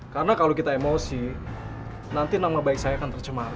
karena kalau kita emosi nanti nama baik saya akan tercemar